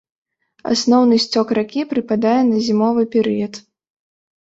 Асноўны сцёк ракі прыпадае на зімовы перыяд.